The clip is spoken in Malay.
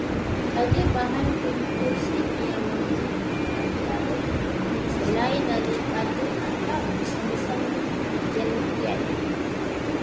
Ada bahan komposit yang menggunakan aggregrat selain daripada, atau bersama-sama gentian